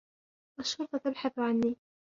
الشرطة تبحث عنّي.